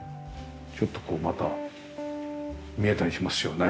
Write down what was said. ちょっとこうまた見えたりしますよね。